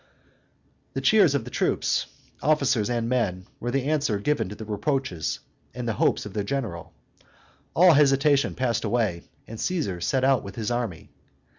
The cheers of the troops, officers and men, were the answer given to the reproaches and hopes of their general: all hesitation passed away; and Caesar set out with his army.